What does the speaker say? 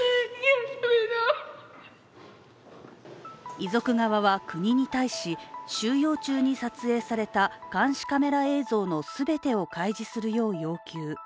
遺族側は国に対し、収容中に撮影された監視カメラ映像の全てを開示するよう要求。